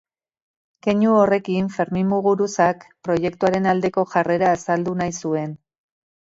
Keinu horrekin Fermin Muguruzak proiektuaren aldeko jarrera azaldu nahi zuen.